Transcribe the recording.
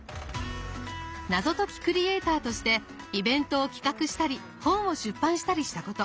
謎解きクリエイターとしてイベントを企画したり本を出版したりしたこと。